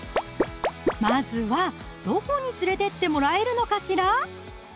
まずはどこに連れてってもらえるのかしら？